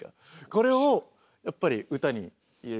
これをやっぱり歌に入れると。